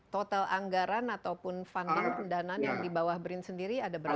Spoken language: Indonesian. total anggaran ataupun pendanaan yang dibawah bri sendiri ada berapa